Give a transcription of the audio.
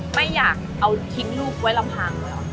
ไม่อยากเอาทิ้งลูกไว้ลำพังเหรอ